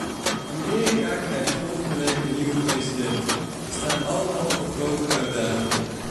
Amerika krijgt volgende week een nieuwe president; we staan allemaal voor grote uitdagingen.